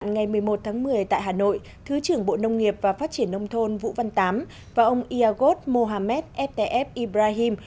ngày một mươi một tháng một mươi tại hà nội thứ trưởng bộ nông nghiệp và phát triển nông thôn vũ văn tám và ông iagot mohamed etef ibrahim